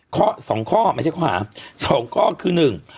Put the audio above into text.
ข้อสองข้อไม่ใช่ข้อหาสองข้อคือหนึ่ง